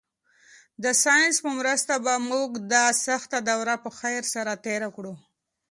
د ساینس په مرسته به موږ دا سخته دوره په خیر سره تېره کړو.